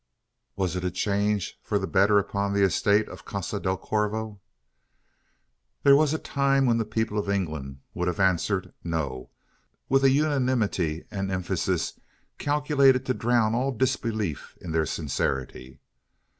Was it a change for the better upon the estate of Casa del Corvo? There was a time when the people of England would have answered no; with a unanimity and emphasis calculated to drown all disbelief in their sincerity.